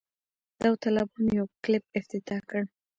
داوطلبانو یو کلب افتتاح کړ.